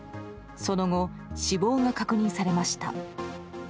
その後、死亡が確認されました。